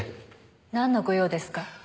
なんのご用ですか？